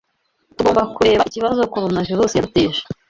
Tugomba kureba ikibazo Coronavirusi yaduteje.